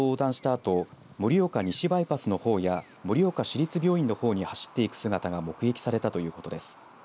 あと盛岡西バイパスの方や盛岡市立病院のほうに走っていく姿が目撃されたということです。